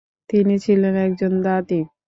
তিনি ছিলেন একজন দাদী।